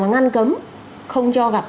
mà ngăn cấm không cho gặp